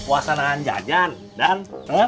puasa dengan jajan dan